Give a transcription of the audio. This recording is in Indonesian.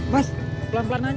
mas pelan pelan aja